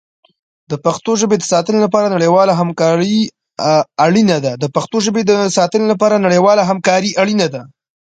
د پښتو ژبې د ساتنې لپاره نړیواله همکاري اړینه ده.